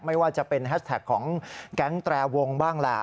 ไม่ว่าจะเป็นแฮชแท็กของแก๊งแตรวงบ้างแหละ